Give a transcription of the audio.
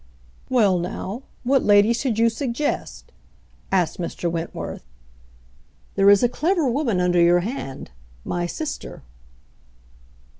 "Well, now, what lady should you suggest?" asked Mr. Wentworth. "There is a clever woman under your hand. My sister."